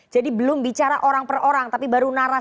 jadi belum bicara orang per orang tapi baru narasi besarnya saja